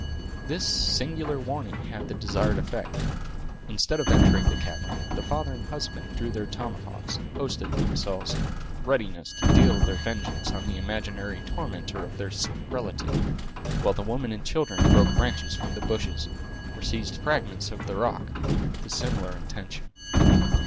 This singular warning had the desired effect. Instead of entering the cavern, the father and husband drew their tomahawks, and posted themselves in readiness to deal their vengeance on the imaginary tormentor of their sick relative, while the women and children broke branches from the bushes, or seized fragments of the rock, with a similar intention.